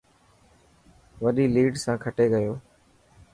وڏي ليڊ سان کٽي گيو.